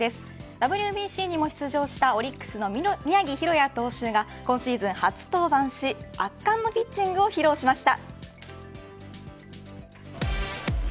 ＷＢＣにも出場したオリックスの宮城大弥投手が今シーズン初登板し圧巻のピッチングを披露しました。